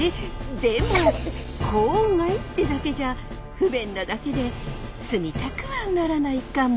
でも郊外ってだけじゃ不便なだけで住みたくはならないかも。